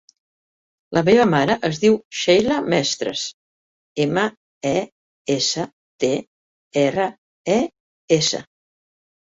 La meva mare es diu Sheila Mestres: ema, e, essa, te, erra, e, essa.